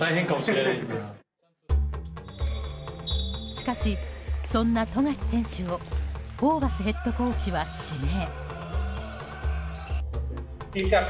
しかし、そんな富樫選手をホーバスヘッドコーチは指名。